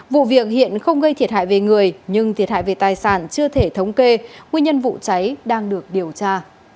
vụ việc hiện không gây thiệt hại về người nhưng thiệt hại về tài sản chưa thể thống kê nguyên nhân vụ cháy đang được điều tra